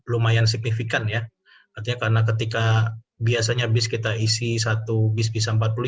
lumayan signifikan ya artinya karena ketika biasanya bis kita isi satu bis bisa empat puluh lima